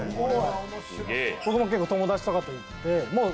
僕も結構、友達とかとも。